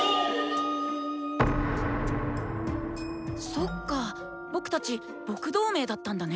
そっか僕たち「僕同盟」だったんだね。